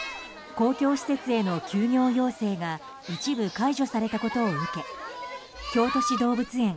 公共施設への休業要請が一部解除されたことを受け京都市動物園